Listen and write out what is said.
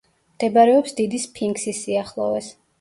მდებარეობს დიდი სფინქსის სიახლოვეს.